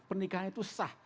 pernikahan itu sah